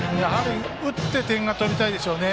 打って点が取りたいでしょうね。